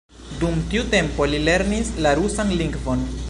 Dum tiu tempo li lernis la rusan lingvon.